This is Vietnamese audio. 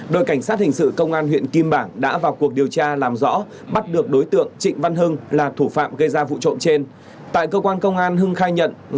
đội cảnh sát hình sự công an huyện kim bảng đã vào cuộc điều tra làm rõ bắt được đối tượng trịnh văn hưng là thủ phạm gây ra vụ trộn trên